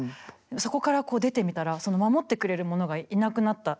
そこから出てみたら守ってくれるものがいなくなった。